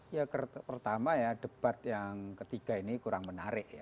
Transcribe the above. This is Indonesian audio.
ya pertama ya debat yang ketiga ini kurang menarik ya